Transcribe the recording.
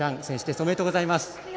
おめでとうございます。